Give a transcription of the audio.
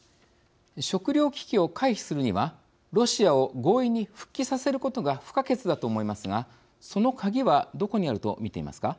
食料危機を回避するにはロシアを合意に復帰させることが不可欠だと思いますがそのカギは、どこにあると見ていますか。